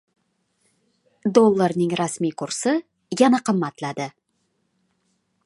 Dollarning rasmiy kursi yana qimmatladi